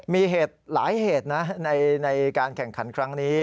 มีเหตุหลายเหตุนะในการแข่งขันครั้งนี้